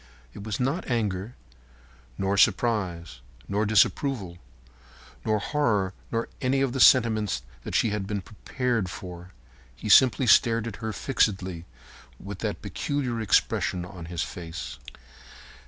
It was not anger, nor surprise, nor disapproval, nor horror, nor any of the sentiments that she had been prepared for. He simply stared at her fixedly with that peculiar expression on his face.